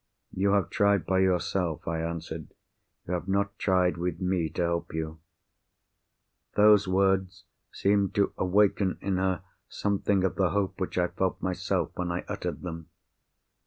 "You have tried by yourself," I answered. "You have not tried with me to help you." Those words seemed to awaken in her something of the hope which I felt myself when I uttered them.